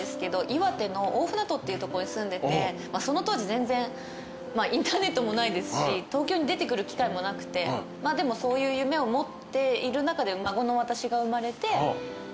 岩手の大船渡っていうとこに住んでてその当時全然インターネットもないですし東京に出てくる機会もなくてでもそういう夢を持っている中で孫の私が生まれて。